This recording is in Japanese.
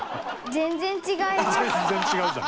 全然違います。